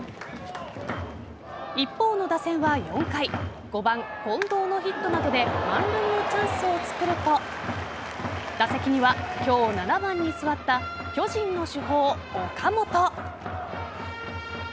一方の打線は４回５番・近藤のヒットなどで満塁のチャンスを作ると打席には今日７番に座った巨人の主砲・岡本。